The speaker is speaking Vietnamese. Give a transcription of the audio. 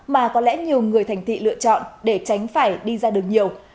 mà có lẽ nhiều người thành thị lựa chọn để tránh phải đi ra đường nhiều